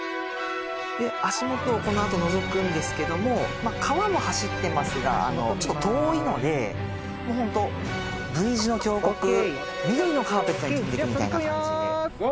で足元をこのあとのぞくんですけども川も走ってますがちょっと遠いのでホントＶ字の峡谷緑のカーペットに飛んでくみたいな感じで・５４３２１